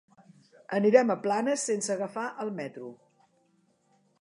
Anirem a Planes sense agafar el metro.